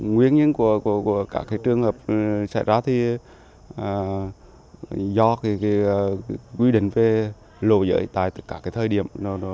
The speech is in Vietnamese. nguyên nhân của các trường hợp xảy ra thì do quy định về lộ giới tại các thời điểm